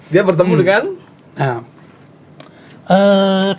dia bertemu dengan